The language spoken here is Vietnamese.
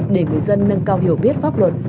để người dân nâng cao hiểu biết pháp luật